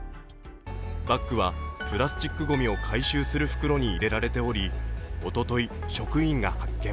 バッグはプラスチックごみ回収する袋に入れられておりおととい職員が発見。